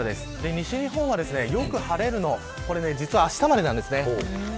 西日本はよく晴れるのは実はあしたまでです。